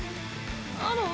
あの。